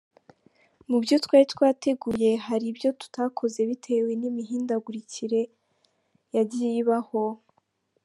Mu byo twari twateguye hari ibyo tutakoze bitewe n’imihindagurikire yagiye ibaho.